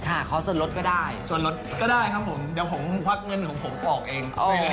ขอส่วนลดก็ได้ส่วนลดก็ได้ครับผมเดี๋ยวผมควักเงินของผมออกเอง